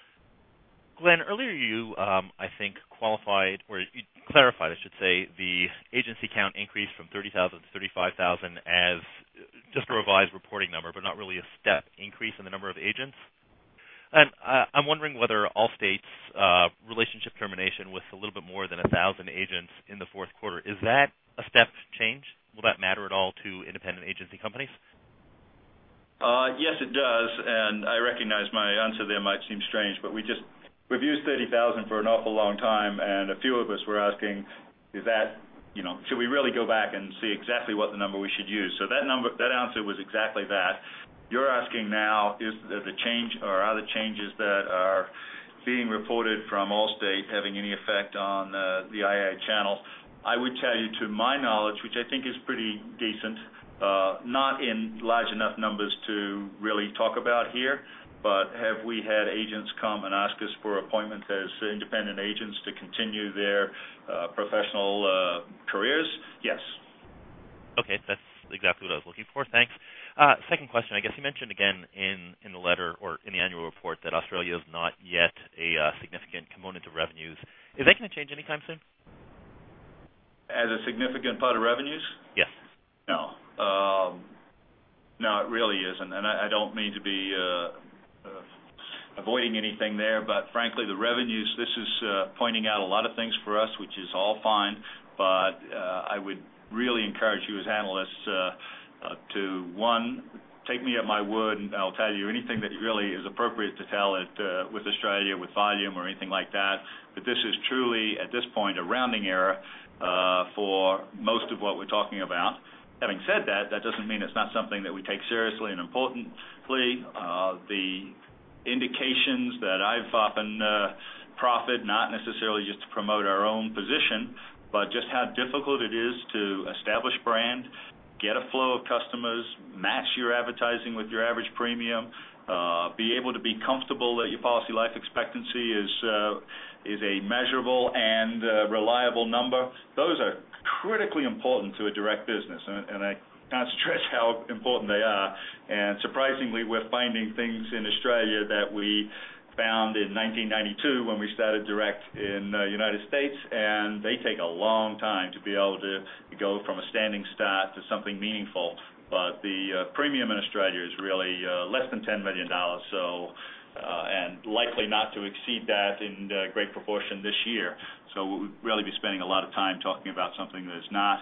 Glenn, earlier you, I think, qualified or you clarified, I should say, the agency count increase from 30,000 to 35,000 as just a revised reporting number, but not really a step increase in the number of agents. I'm wondering whether Allstate's relationship termination with a little bit more than 1,000 agents in the fourth quarter, is that a step change? Will that matter at all to independent agency companies? Yes, it does. I recognize my answer there might seem strange, but we've used 30,000 for an awful long time, a few of us were asking should we really go back and see exactly what the number we should use? That answer was exactly that. You're asking now are the changes that are being reported from Allstate having any effect on the IA channel? I would tell you to my knowledge, which I think is pretty decent, not in large enough numbers to really talk about here, but have we had agents come and ask us for appointment as independent agents to continue their professional careers? Yes. Okay. That's exactly what I was looking for. Thanks. Second question, I guess you mentioned again in the letter or in the annual report that Australia is not yet a significant component of revenues. Is that going to change anytime soon? As a significant part of revenues? Yes. No. No, it really isn't. I don't mean to be avoiding anything there, frankly, the revenues, this is pointing out a lot of things for us, which is all fine, I would really encourage you as analysts to, one, take me at my word, I'll tell you anything that really is appropriate to tell with Australia, with volume or anything like that. This is truly, at this point, a rounding error for most of what we're talking about. Having said that doesn't mean it's not something that we take seriously and importantly. The indications that I've often proffer, not necessarily just to promote our own position, just how difficult it is to establish brand, get a flow of customers, match your advertising with your average premium, be able to be comfortable that your policy life expectancy is a measurable and reliable number. Those are critically important to a direct business. I can't stress how important they are. Surprisingly, we're finding things in Australia that we found in 1992 when we started direct in the U.S., they take a long time to be able to go from a standing start to something meaningful. The premium in Australia is really less than $10 million, likely not to exceed that in great proportion this year. We would rarely be spending a lot of time talking about something that is not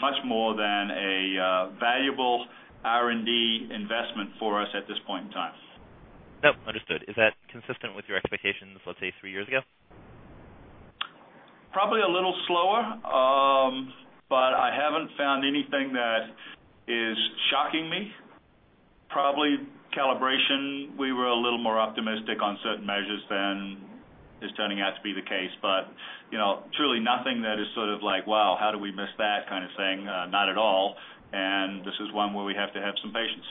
much more than a valuable R&D investment for us at this point in time. Yep, understood. Is that consistent with your expectations, let's say, three years ago? Probably a little slower, but I haven't found anything that is shocking me. Probably calibration, we were a little more optimistic on certain measures than is turning out to be the case. Truly nothing that is sort of like, wow, how did we miss that kind of thing? Not at all. This is one where we have to have some patience.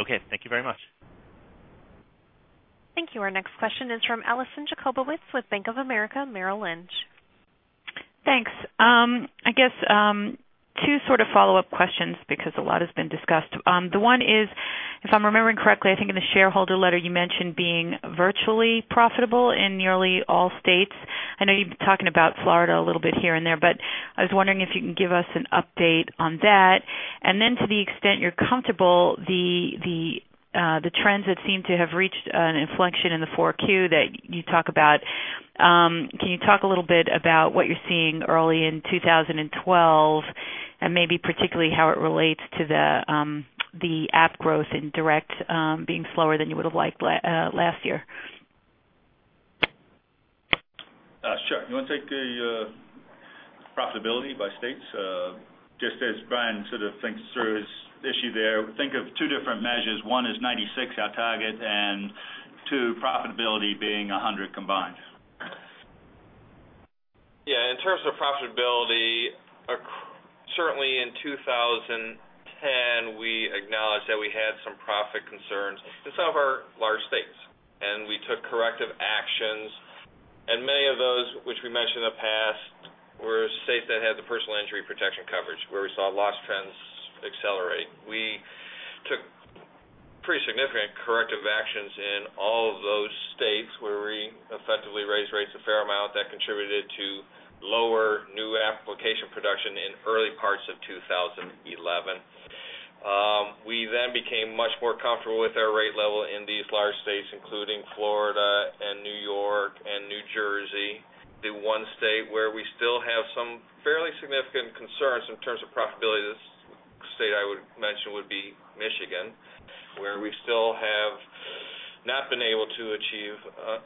Okay. Thank you very much. Thank you. Our next question is from Alison Jacobowitz with Bank of America Merrill Lynch. Thanks. I guess, two sort of follow-up questions because a lot has been discussed. One is, if I'm remembering correctly, I think in the shareholder letter you mentioned being virtually profitable in nearly all states. I know you've been talking about Florida a little bit here and there, but I was wondering if you can give us an update on that. To the extent you're comfortable, the trends that seem to have reached an inflection in the 4Q that you talk about, can you talk a little bit about what you're seeing early in 2012 and maybe particularly how it relates to the app growth in direct being slower than you would've liked last year? Sure. You want to take the profitability by states? Just as Brian sort of thinks through his issue there, think of two different measures. One is 96, our target, and two, profitability being 100 combined. Yeah. In terms of profitability, certainly in 2010, we acknowledged that we had some profit concerns in some of our large states, and we took corrective actions. Many of those, which we mentioned in the past, were states that had the personal injury protection coverage, where we saw loss trends accelerate. We took pretty significant corrective actions in all of those states where we effectively raised rates a fair amount that contributed to lower new application production in early parts of 2011. We then became much more comfortable with our rate level in these large states, including Florida and New York and New Jersey. One state where we still have some fairly significant concerns in terms of profitability, this state I would mention would be Michigan, where we still have not been able to achieve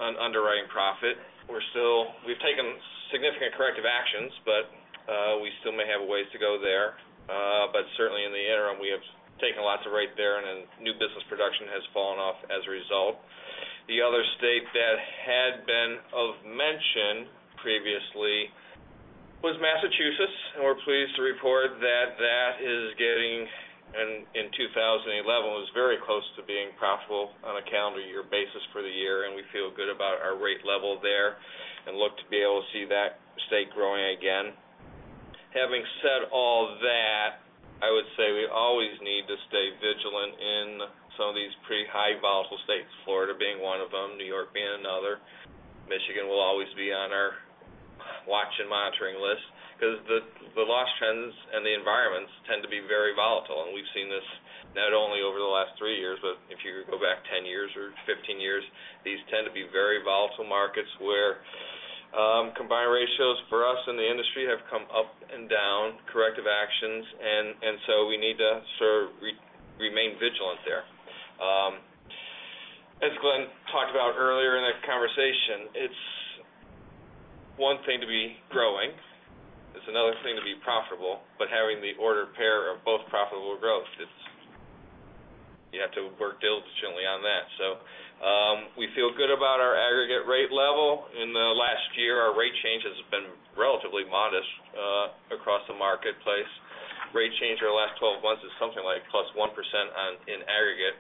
an underwriting profit. We've taken significant corrective actions, but we still may have a ways to go there. Certainly in the interim, we have taken lots of rate there, and then new business production has fallen off as a result. The other state that had been of mention previously was Massachusetts, and we're pleased to report that that is getting, in 2011, was very close to being profitable on a calendar year basis for the year, and we feel good about our rate level there and look to be able to see that state growing again. Having said all that, I would say we always need to stay vigilant in some of these pretty high volatile states, Florida being one of them, New York being another. Michigan will always be on our watch and monitoring list because the loss trends and the environments tend to be very volatile. We've seen this not only over the last three years, but if you go back 10 years or 15 years, these tend to be very volatile markets where combined ratios for us in the industry have come up and down, corrective actions, so we need to sort of remain vigilant there. As Glenn talked about earlier in the conversation, it's one thing to be growing, it's another thing to be profitable, but having the ordered pair of both profitable growth, you have to work diligently on that. We feel good about our aggregate rate level. In the last year, our rate change has been relatively modest across the marketplace. Rate change over the last 12 months is something like +1% in aggregate.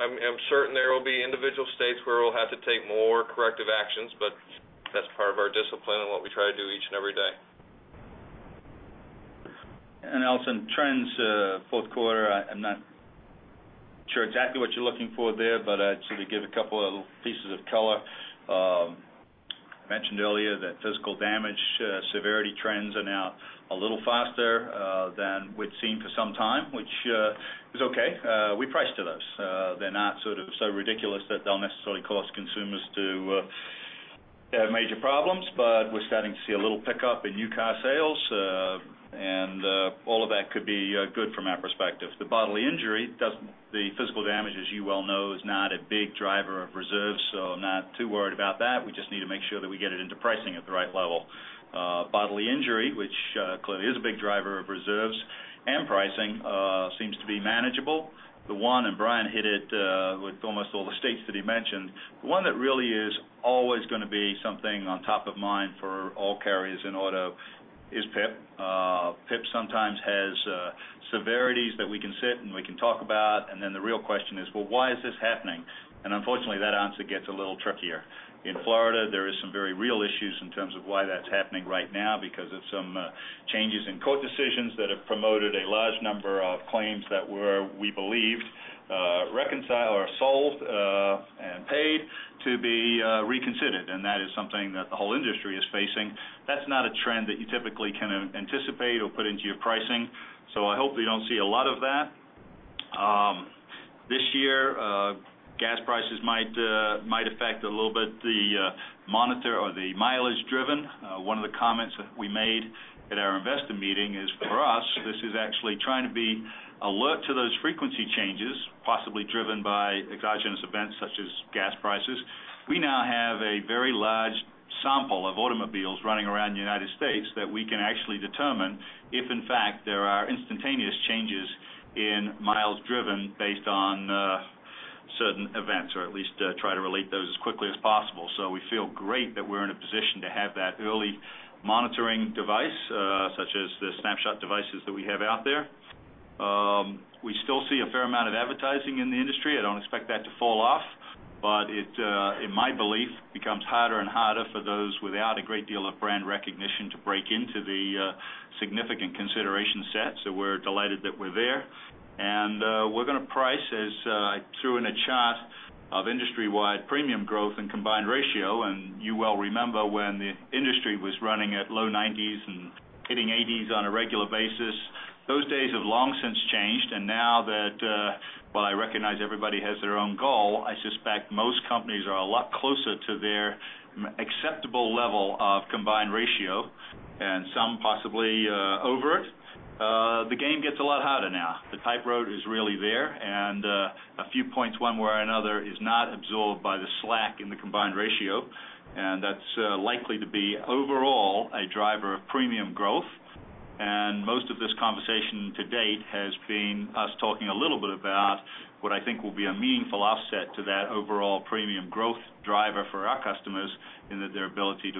I'm certain there will be individual states where we'll have to take more corrective actions, but that's part of our discipline and what we try to do each and every day. Alison, trends, fourth quarter, I'm not sure exactly what you're looking for there, but to sort of give a couple of pieces of color. Mentioned earlier that physical damage severity trends are now a little faster than we'd seen for some time, which is okay. We price to those. They're not sort of so ridiculous that they'll necessarily cause consumers to have major problems, but we're starting to see a little pickup in used car sales, and all of that could be good from our perspective. The physical damage, as you well know, is not a big driver of reserves, so I'm not too worried about that. We just need to make sure that we get it into pricing at the right level. Bodily injury, which clearly is a big driver of reserves and pricing, seems to be manageable. The one, and Brian hit it with almost all the states that he mentioned, the one that really is always going to be something on top of mind for all carriers in auto is PIP. PIP sometimes has severities that we can sit and we can talk about, and then the real question is, well, why is this happening? Unfortunately, that answer gets a little trickier. In Florida, there are some very real issues in terms of why that's happening right now because of some changes in court decisions that have promoted a large number of claims that were, we believe, reconciled or solved and paid to be reconsidered. That is something that the whole industry is facing. That's not a trend that you typically can anticipate or put into your pricing. I hope we don't see a lot of that. This year, gas prices might affect a little bit the mileage driven. One of the comments that we made at our investor meeting is, for us, this is actually trying to be alert to those frequency changes, possibly driven by exogenous events such as gas prices. We now have a very large sample of automobiles running around the U.S. that we can actually determine if, in fact, there are instantaneous changes in miles driven based on certain events, or at least try to relate those as quickly as possible. We feel great that we're in a position to have that early monitoring device, such as the Snapshot devices that we have out there. We still see a fair amount of advertising in the industry. I don't expect that to fall off, but it, in my belief, becomes harder and harder for those without a great deal of brand recognition to break into the significant consideration set. We're delighted that we're there. We're going to price as I threw in a chart of industry-wide premium growth and combined ratio. You well remember when the industry was running at low 90s and hitting 80s on a regular basis. Those days have long since changed. Now that, while I recognize everybody has their own goal, I suspect most companies are a lot closer to their acceptable level of combined ratio, and some possibly over it. The game gets a lot harder now. The tight road is really there, and a few points one way or another is not absorbed by the slack in the combined ratio. That's likely to be, overall, a driver of premium growth. Most of this conversation to date has been us talking a little bit about what I think will be a meaningful offset to that overall premium growth driver for our customers, in that their ability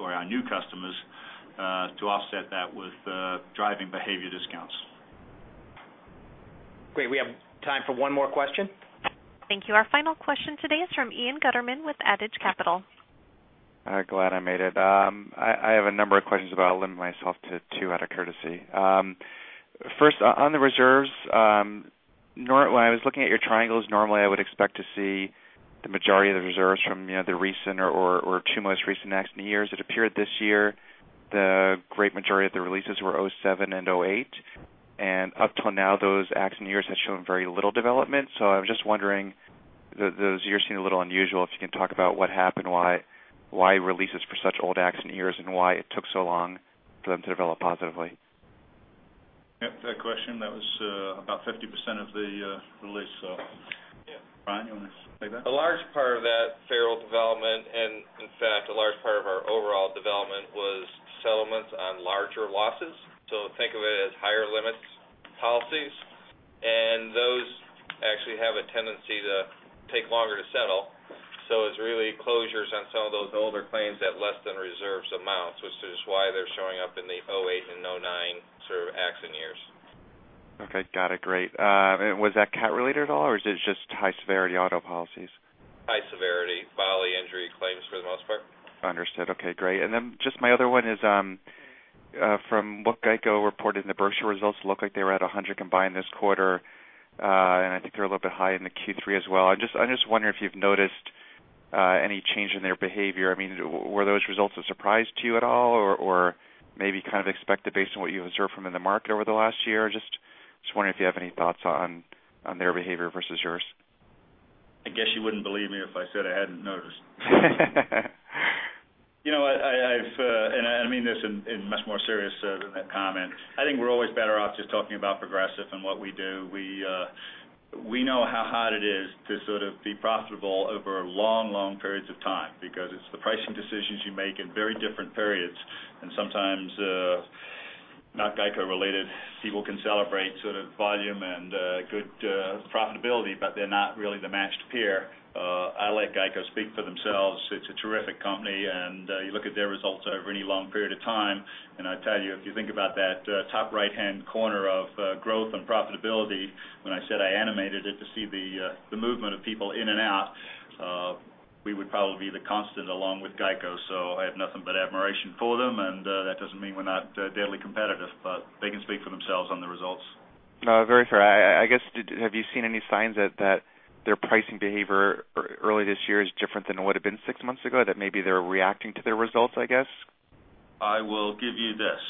or our new customers, to offset that with driving behavior discounts. Great. We have time for one more question. Thank you. Our final question today is from Ian Gutterman with Adage Capital. Glad I made it. I have a number of questions, but I'll limit myself to two out of courtesy. First, on the reserves, when I was looking at your triangles, normally I would expect to see the majority of the reserves from the recent or two most recent accident years. It appeared this year the great majority of the releases were 2007 and 2008, and up till now, those accident years have shown very little development. I was just wondering, those years seem a little unusual, if you can talk about what happened, why releases for such old accident years, and why it took so long for them to develop positively. Yeah. To that question, that was about 50% of the release. Brian, you want to say that? A large part of that favorable development, and in fact, a large part of our overall development, was settlements on larger losses. Think of it as higher limits policies, and those actually have a tendency to take longer to settle. It's really closures on some of those older claims at less than reserves amounts, which is why they're showing up in the '08 and '09 accident years. Okay, got it. Great. Was that cat related at all, or is it just high-severity auto policies? High severity bodily injury claims, for the most part. Understood. Okay, great. Just my other one is from what GEICO reported in the brochure results, looked like they were at 100 combined this quarter. I think they're a little bit high in the Q3 as well. I just wonder if you've noticed any change in their behavior. Were those results a surprise to you at all, or maybe kind of expected based on what you observed from in the market over the last year? I just wonder if you have any thoughts on their behavior versus yours. I guess you wouldn't believe me if I said I hadn't noticed. I mean this in much more serious than that comment. I think we're always better off just talking about Progressive and what we do. We know how hard it is to sort of be profitable over long periods of time because it's the pricing decisions you make in very different periods. Sometimes, not GEICO related, people can celebrate sort of volume and good profitability, but they're not really the matched pair. I let GEICO speak for themselves. It's a terrific company. You look at their results over any long period of time, I tell you, if you think about that top right-hand corner of growth and profitability, when I said I animated it to see the movement of people in and out, we would probably be the constant along with GEICO. I have nothing but admiration for them, and that doesn't mean we're not deadly competitive, but they can speak for themselves on the results. No, very fair. I guess, have you seen any signs that their pricing behavior early this year is different than it would've been six months ago, that maybe they're reacting to their results, I guess? I will give you this.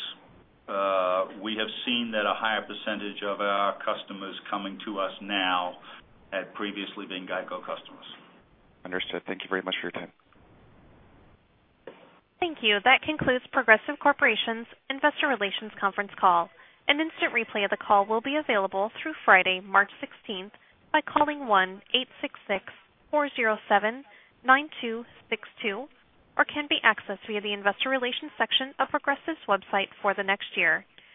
We have seen that a higher percentage of our customers coming to us now had previously been GEICO customers. Understood. Thank you very much for your time. Thank you. That concludes Progressive Corporation's Investor Relations conference call. An instant replay of the call will be available through Friday, March 16th by calling 1-866-407-9262 or can be accessed via the investor relations section of Progressive's website for the next year.